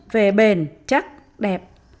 về bền chắc đẹp